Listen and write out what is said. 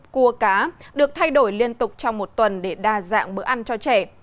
cua cá được thay đổi liên tục trong một tuần để đa dạng bữa ăn cho trẻ